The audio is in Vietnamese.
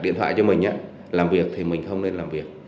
điện thoại cho mình làm việc thì mình không nên làm việc